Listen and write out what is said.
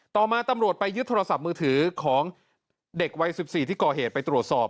ต่อมาตำรวจไปยึดโทรศัพท์มือถือของเด็กวัย๑๔ที่ก่อเหตุไปตรวจสอบ